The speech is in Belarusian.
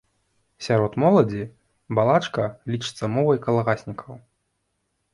Сярод моладзі балачка лічыцца мовай калгаснікаў.